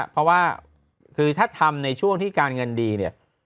เพราะว่าคือถ้าทำในช่วงที่การเงินดีเนี่ย